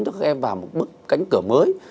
để các em vào một bước cánh cửa mới